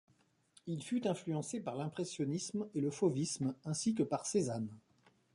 Il fut influencé par l'Impressionnisme et le Fauvisme, ainsi que par Cézanne.